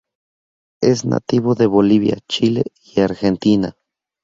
Es nativo de Bolivia, Chile y Argentina.